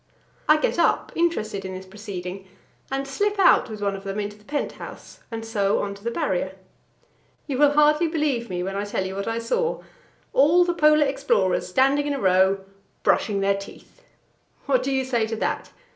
I get up, interested in this proceeding, and slip out with one of them into the pent house and so on to the Barrier. You will hardly believe me, when I tell you what I saw all the Polar explorers standing in a row, brushing their teeth! What do you say to that?